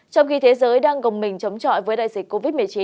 trong khi thế giới đang gồng mình chống trọi với đại dịch covid một mươi chín